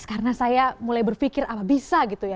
karena saya mulai berpikir apa bisa gitu ya